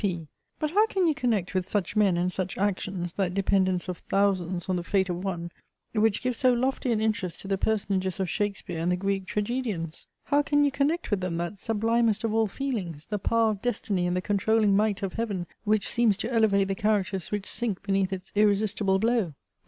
P. But how can you connect with such men and such actions that dependence of thousands on the fate of one, which gives so lofty an interest to the personages of Shakespeare, and the Greek Tragedians? How can you connect with them that sublimest of all feelings, the power of destiny and the controlling might of heaven, which seems to elevate the characters which sink beneath its irresistible blow?